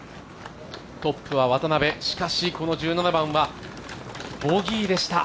トップは渡邉、しかしこの１７番はボギーでした。